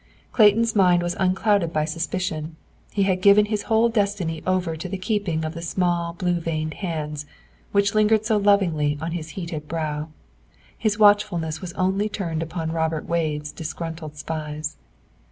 Clayton's mind was unclouded by suspicion. He had given his whole destiny over to the keeping of the small blue veined hands, which lingered so lovingly on his heated brow. His watchfulness was only turned upon Robert Wade's disgruntled spies.